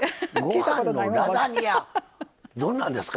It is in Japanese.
どんなんですか？